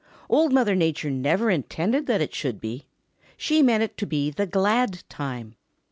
Old Mother Nature never intended that it should be. She meant it to be the glad time.